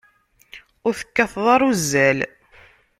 Ur tekkateḍ ara uzzal.